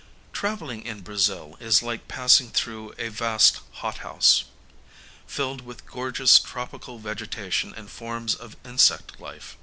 Travelling in Brazil is like passing through a vast hothouse, filled with gorgeous tropical vegetation and forms of insect life.